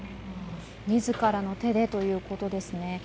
自らの手でということですね。